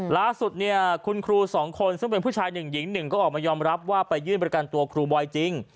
ล่าสุดเนี่ยคุณครูสองคนซึ่งเป็นผู้ชายหนึ่งหญิงหนึ่งก็ออกมายอมรับว่าไปยื่นประกันตัวครูบอยจริง